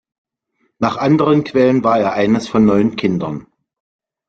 Nach anderen Quellen war er eines von neun Kindern.